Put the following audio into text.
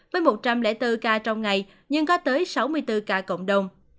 với một trăm linh bốn ca trong ngày nhưng có tới sáu mươi bốn ca cộng đồng